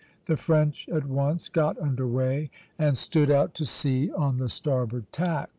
The French at once got under way and stood out to sea on the starboard tack (Plate Va.)